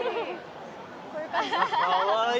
こういう感じ？